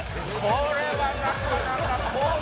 これはなかなか！